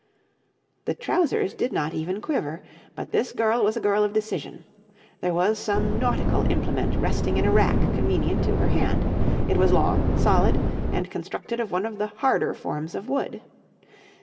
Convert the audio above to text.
The trousers did not even quiver. But this girl was a girl of decision. There was some nautical implement resting in a rack convenient to her hand. It was long, solid, and constructed of one of the harder forms of wood.